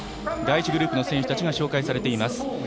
第１グループの選手たちが紹介されています。